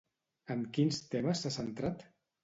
En quins temes s'ha centrat?